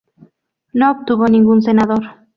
No obtuvo ningún senador.